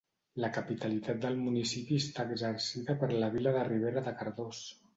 La capitalitat del municipi està exercida per la vila de Ribera de Cardós.